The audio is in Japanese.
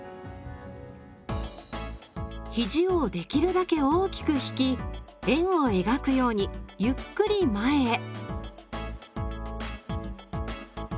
ひじを出来るだけ大きく引き円を描くようにゆっくり前へ。